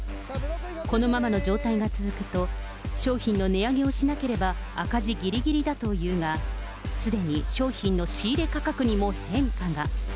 このままの状態が続くと、商品の値上げをしなければ、赤字ぎりぎりだというが、すでに商品の仕入れ価格にも変化が。